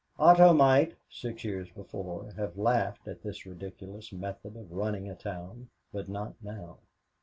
Otto might, six years before, have laughed at this ridiculous method of running a town, but not now.